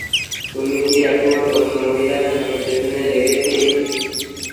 তুই কি এখন অন্য মহিলার স্বামীর পিছনে লেগেছিস?